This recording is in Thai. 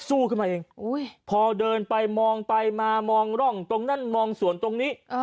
สู้ขึ้นมาเองพอเดินไปมองไปมามองร่องตรงนั้นมองส่วนตรงนี้